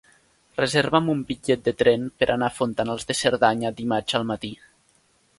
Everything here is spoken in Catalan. Reserva'm un bitllet de tren per anar a Fontanals de Cerdanya dimarts al matí.